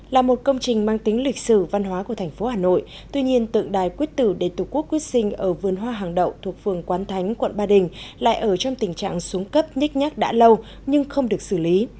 là một công trình mang tính lịch sử văn hóa của thành phố hà nội tuy nhiên tượng đài quyết tử để tổ quốc quyết sinh ở vườn hoa hàng đậu thuộc phường quán thánh quận ba đình lại ở trong tình trạng xuống cấp nhích nhác đã lâu nhưng không được xử lý